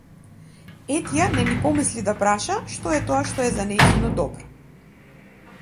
Етја не ни помисли да праша што е тоа што е за нејзино добро.